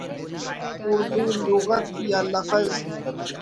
اردو لغت یا لفظ